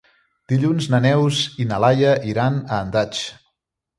Dilluns na Neus i na Laia iran a Andratx.